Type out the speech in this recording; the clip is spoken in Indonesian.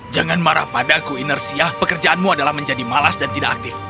jangan marah padaku inersia pekerjaanmu adalah menjadi malas dan tidak aktif